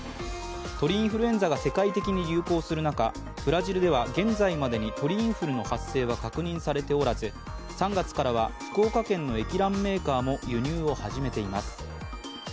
鳥インフルエンザが世界的に流行する中、ブラジルでは現在までに鳥インフルの発生は確認されておらず、３月からは福岡県の液卵メーカーも輸入を始めています。